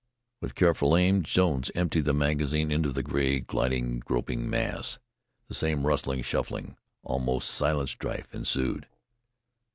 With careful aim Jones emptied the magazine into the gray, gliding, groping mass. The same rustling, shuffling, almost silent strife ensued.